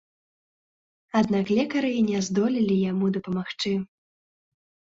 Аднак лекары не здолелі яму дапамагчы.